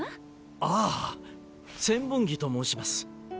ああ千本木と申します。